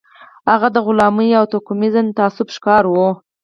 هغه د غلامۍ او توکميز تعصب ښکار و